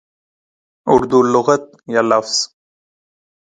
اردو لغت یا لفظ